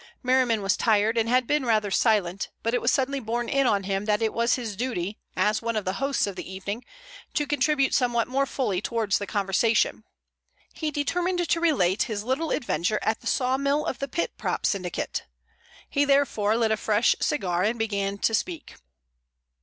Merriman was tired and had been rather silent, but it was suddenly borne in on him that it was his duty, as one of the hosts of the evening, to contribute somewhat more fully towards the conversation. He determined to relate his little adventure at the sawmill of the Pit Prop Syndicate. He therefore lit a fresh cigar, and began to speak.